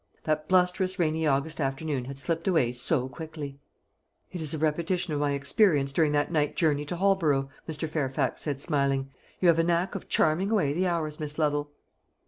That blusterous rainy August afternoon had slipped away so I quickly. "It is a repetition of my experience during that night journey to Holborough," Mr. Fairfax said, smiling. "You have a knack of charming away the hours, Miss Lovel."